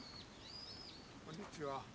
こんにちは。